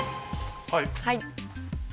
はい。